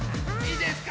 いいですか？